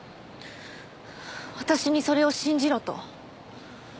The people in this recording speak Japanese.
私にそれを信じろと？